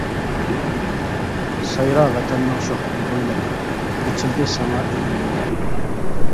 سايرا ۋەتەننىڭ شوخ بۇلبۇللىرى، ئېچىلدى ساڭا ئىلىم يوللىرى.